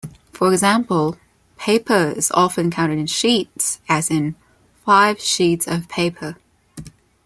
For example, "paper" is often counted in "sheets" as in "five sheets of paper".